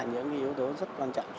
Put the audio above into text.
những yếu tố rất quan trọng